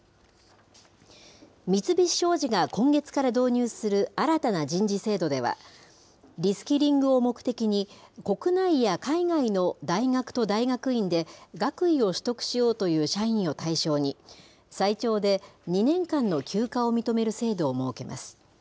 三菱商事が今月から導入する新たな人事制度では、リスキリングを目的に、国内や海外の大学と大学院で、学位を取得しようという社員を対象に、最長で２年間の休暇を認める制度を設けます。